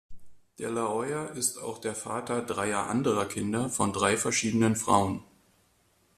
De La Hoya ist auch der Vater dreier anderer Kinder von drei verschiedenen Frauen.